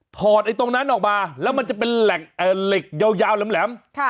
ไอ้ตรงนั้นออกมาแล้วมันจะเป็นเหล็กยาวแหลม